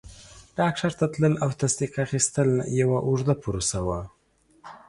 ډاکټر ته تلل او تصدیق اخیستل یوه اوږده پروسه وه.